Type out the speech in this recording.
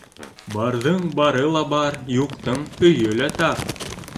Барҙың бары ла бар, юҡтың өйө лә тар.